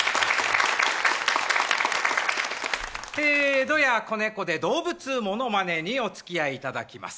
江戸家小猫で動物ものまねにおつきあいいただきます。